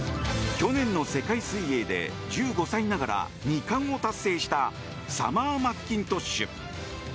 去年の世界水泳で１５歳ながら２冠を達成したサマー・マッキントッシュ。